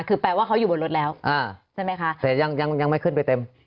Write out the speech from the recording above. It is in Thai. คือแปลว่าเขาอยู่บนรถแล้วใช่ไหมคะแต่ยังยังไม่ขึ้นไปเต็ม